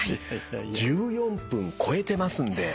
１４分越えてますんで。